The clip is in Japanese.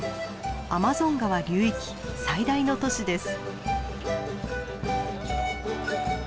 アマゾン川流域最大の都市です。